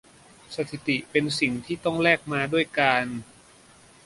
สถิติเป็นสิ่งที่ต้องแลกมาด้วยการ